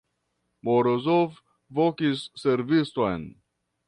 Morozov vokis serviston.